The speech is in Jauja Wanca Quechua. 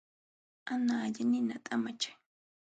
Analla ninata amachan.